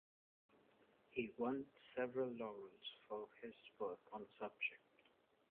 He won several laurels for his work on the subject.